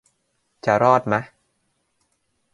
จะรอดมะ